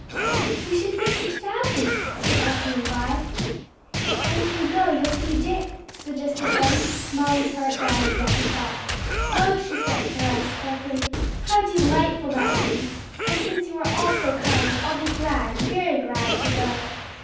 "We should miss you sadly," said Elsie and Vi. "And if you go you'll see Dick," suggested Eddie. Molly's heart bounded at the thought. "Oh," she said, her eyes sparkling, "how delightful that would be! and since you are all so kind, I'll be glad, very glad to go."